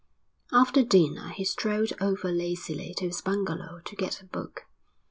After dinner he strolled over lazily to his bungalow to get a book.